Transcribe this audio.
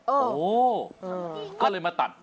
โอ้โหก็เลยมาตัด